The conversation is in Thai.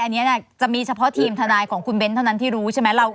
อันนี้จะมีเฉพาะทีมทนายของคุณเบ้นเท่านั้นที่รู้ใช่ไหม